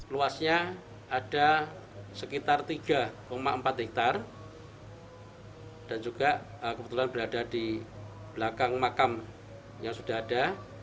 luasnya ada sekitar tiga empat hektare dan juga kebetulan berada di belakang makam yang sudah ada